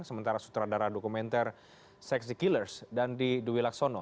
sementara sutradara dokumenter sexy killers dandi duwilaksono